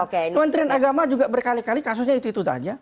kementerian agama juga berkali kali kasusnya itu itu saja